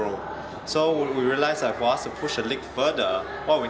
kami menyadari bahwa untuk memusnahkan perjuangan